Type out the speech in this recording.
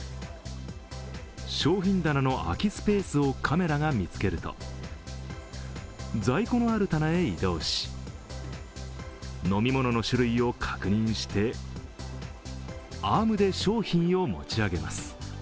商品棚の空きスペースをカメラが見つけると、在庫のある棚へ移動し、飲み物の種類を確認してアームで商品を持ち上げます。